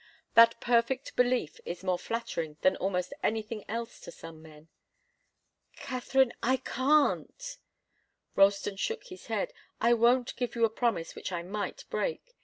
That perfect belief is more flattering than almost anything else to some men. "Katharine I can't!" Ralston shook his head. "I won't give you a promise which I might break.